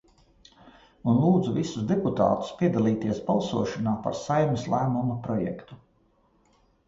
Un lūdzu visus deputātus piedalīties balsošanā par Saeimas lēmuma projektu.